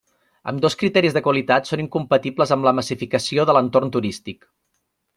Ambdós criteris de qualitat són incompatibles amb la massificació de l'entorn turístic.